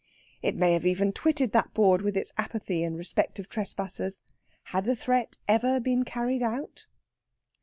It may even have twitted that board with its apathy in respect of trespassers. Had the threat ever been carried out?